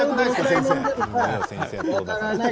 先生。